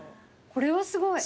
これはすごい。